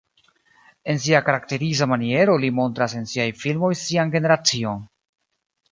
En sia karakteriza maniero li montras en siaj filmoj sian generacion.